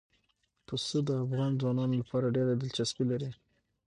پسه د افغان ځوانانو لپاره ډېره دلچسپي لري.